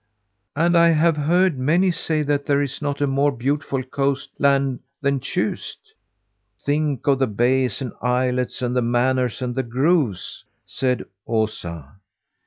"And I have heard many say that there is not a more beautiful coast land than Tjust. Think of the bays and islets, and the manors, and the groves!" said Osa.